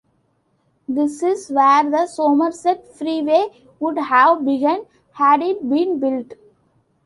This is where the Somerset Freeway would have begun had it been built.